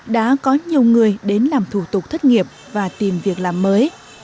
đã có nhiều người đến làm thủ tục thất nghiệp và tìm việc làm mới